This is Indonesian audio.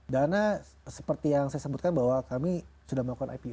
dana seperti yang saya sebutkan bahwa kami sudah melakukan ipo